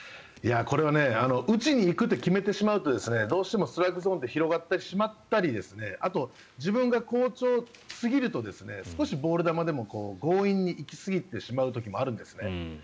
これは打ちに行くと決めてしまうとどうしてもストライクゾーンって広がってしまったりあと自分が好調すぎると少しボール球でも強引に行き過ぎてしまう時もあるんですね